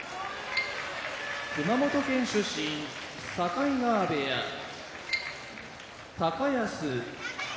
熊本県出身境川部屋高安